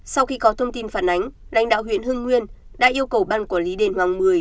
sau khi có thông tin phản ánh lãnh đạo huyện hưng nguyên đã yêu cầu ban quản lý đền hoàng mười